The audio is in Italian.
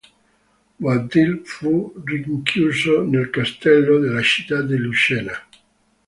Boabdil fu rinchiuso nel castello della città di Lucena.